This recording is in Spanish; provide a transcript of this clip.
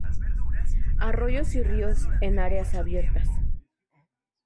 Arroyos y ríos en áreas abiertas.